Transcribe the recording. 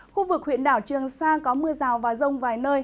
khu vực huyện đảo trường sa có mưa rào và rông vài nơi